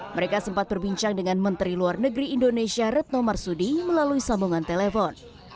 mereka sempat berbincang dengan menteri luar negeri indonesia retno marsudi melalui sambungan telepon